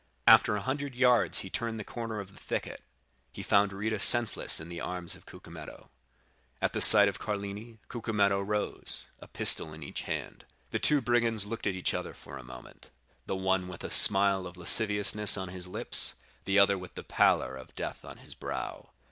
After a hundred yards he turned the corner of the thicket; he found Rita senseless in the arms of Cucumetto. At the sight of Carlini, Cucumetto rose, a pistol in each hand. The two brigands looked at each other for a moment—the one with a smile of lasciviousness on his lips, the other with the pallor of death on his brow.